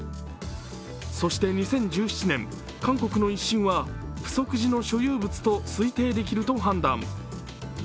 そして２０１７年、韓国の一審はプソク寺の所有物と推定できると判断。